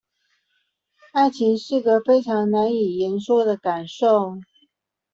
愛情是個非常難以言說的感受